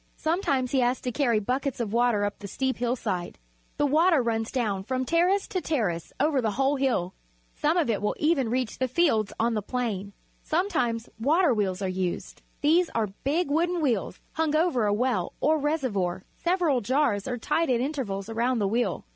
Sometimes he has to carry buckets of water up the steep hillside. The water runs down from terrace to terrace over the whole hill. Some of it will even reach the fields on the plain. Sometimes water wheels are used. These are big wooden wheels hung over a well or reservoir. Several jars are tied at intervals around the wheel.